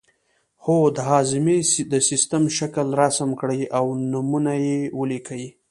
هو د هاضمې د سیستم شکل رسم کړئ او نومونه یې ولیکئ